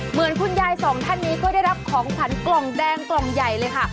เหมือนคุณยายสองท่านนี้ก็ได้รับของขวัญกล่องแดงกล่องใหญ่เลยค่ะ